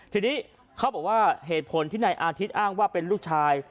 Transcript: ทีนี้เขาบอกว่าเหตุผลที่นายอาทิตย์อ้างว่าเป็นลูกชาย